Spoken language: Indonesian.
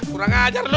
kurang ajar lo